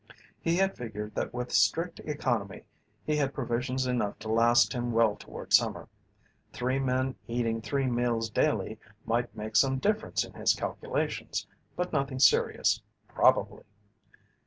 He had figured that with strict economy he had provisions enough to last him well toward summer. Three men eating three meals daily might make some difference in his calculations, but nothing serious probably.